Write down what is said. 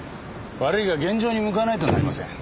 悪いが現場に向かわないとなりません。